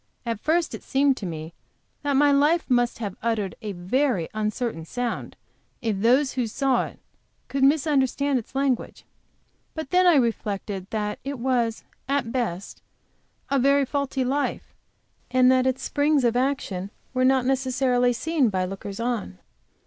At first it seemed to me that my life must have uttered a very uncertain sound if those who saw it could misunderstand its language. But then I reflected that it was, at best, a very faulty life, and that its springs of action were not necessarily seen by lookers on.